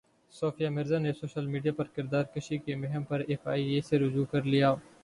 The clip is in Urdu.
صوفیہ مرزا نے سوشل میڈیا پرکردار کشی کی مہم پر ایف ائی اے سے رجوع کر لیا